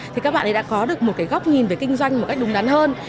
thì các bạn ấy đã có được một cái góc nhìn về kinh doanh một cách đúng đắn hơn